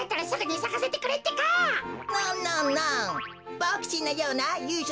ボクちんのようなゆいしょ